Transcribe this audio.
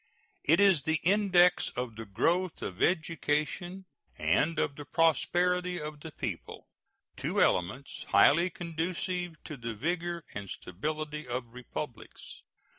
It is the index of the growth of education and of the prosperity of the people, two elements highly conducive to the vigor and stability of republics.